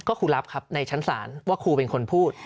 ก็ครูรับครับในชั้นศาลว่าครูเป็นคนพูด